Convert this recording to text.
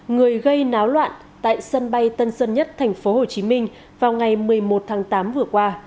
người gây náo loạn tại sân bay tân sơn nhất tp hcm vào ngày một mươi một tháng tám vừa qua